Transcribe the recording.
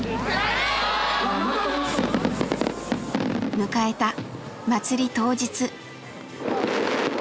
迎えた祭り当日。